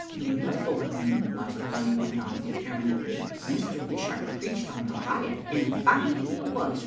"In the forenoon," Waster Lunny went on deter minedly, " Mr. Dishart preached on the riot, and fine he was.